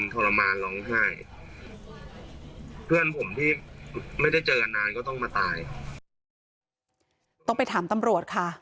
ต้มเป็นถามตำรวจค่ะ